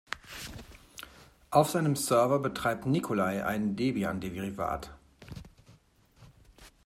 Auf seinem Server betreibt Nikolai ein Debian-Derivat.